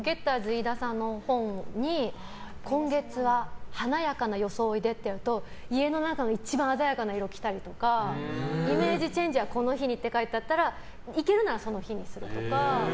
飯田さんの本に今月は華やかな装いでってあると家の中の一番鮮やかな色着たりだとかイメージチェンジはこの日にって書いてあったらいけるならその日にするとか。